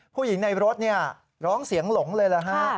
ผู้หญิงในรถร้องเสียงหลงเลยนะฮะ